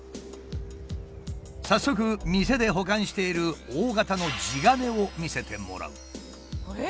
早速店で保管している大型の地金を見せてもらう。